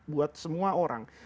buat semua orang